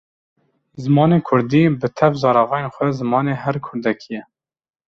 Zimanê Kurdî bi tev zaravayên xwe zimanê her Kurdekî ye.